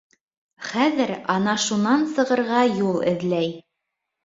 Хәҙер ана шунан сығырға юл эҙләй.